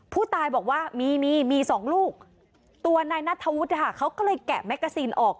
ผู้ตายบอกว่ามีมีสองลูกตัวนายนัทธวุฒิค่ะเขาก็เลยแกะแมกกาซีนออก